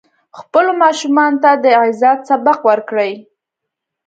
خپلو ماشومانو ته د عزت سبق ورکړئ.